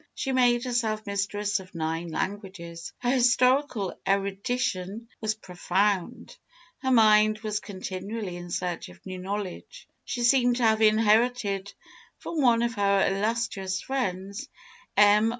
She made herself mistress of nine languages. Her historical erudition was profound; her mind was continually in search of new knowledge. She seemed to have inherited from one of her illustrious friends, M.